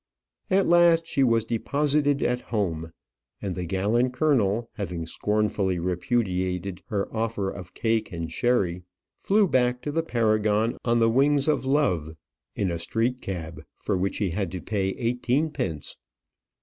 At last she was deposited at home; and the gallant colonel, having scornfully repudiated her offer of cake and sherry, flew back to the Paragon on the wings of love in a street cab, for which he had to pay eighteenpence.